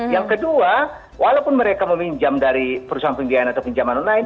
yang kedua walaupun mereka meminjam dari perusahaan pembiayaan atau pinjaman online